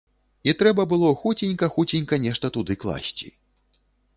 І трэба было хуценька-хуценька нешта туды класці.